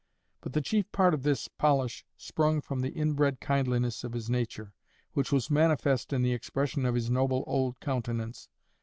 But the chief part of this polish sprung from the inbred kindliness of his nature, which was manifest in the expression of his noble old countenance.